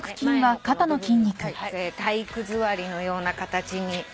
体育座りのような形になって。